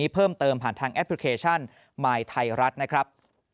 เพิ่มเติมผ่านทางแอปพลิเคชันมายไทยรัฐนะครับ